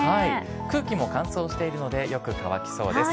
空気も乾燥しているので、よく乾きそうです。